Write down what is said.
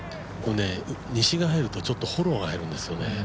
西が入るとフォローが入るんですよね。